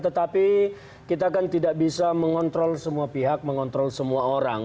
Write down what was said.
tetapi kita kan tidak bisa mengontrol semua pihak mengontrol semua orang